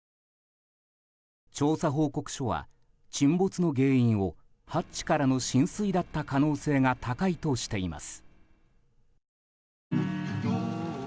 調査報告書は、沈没の原因をハッチからの浸水だった可能性が高いとしています。